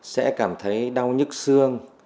sẽ cảm thấy đau nhức xương